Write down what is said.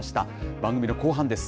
番組の後半です。